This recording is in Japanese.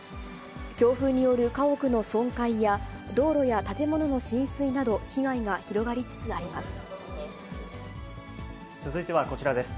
強風による家屋の損壊や、道路や建物の浸水など、被害が広がりつ続いてはこちらです。